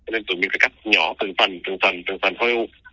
cho nên tụi mình phải cắt nhỏ từ phần từ phần từ phần khối u